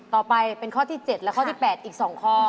ต่อไปเป็นข้อที่๗และข้อที่๘อีก๒ข้อ